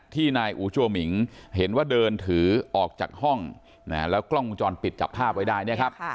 นายอูจัวหมิงเห็นว่าเดินถือออกจากห้องแล้วกล้องวงจรปิดจับภาพไว้ได้เนี่ยครับ